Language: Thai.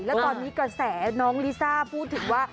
แล้วตอนนี้กระแสน้องลิซ่าพูดถึงว่า